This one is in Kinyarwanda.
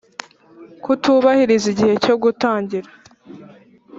Kutubahiriza igihe cyo gutangira